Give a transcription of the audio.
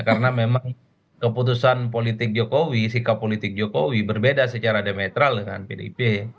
karena memang keputusan politik jokowi sikap politik jokowi berbeda secara demetral dengan pdip